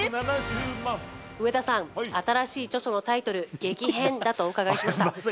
上田さん、新しい著書のタイトル、激変だとお伺いしました。